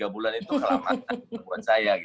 tiga bulan itu kelamatan buat saya